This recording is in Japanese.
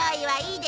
はい！